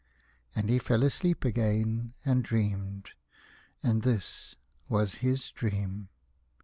And he fell asleep again and dreamed, and this was his dream.